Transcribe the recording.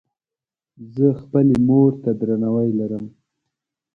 زۀ خپلې مور ته درناوی لرم.